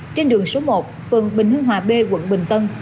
trên đường số một phường bình hưng hòa b quận bình tân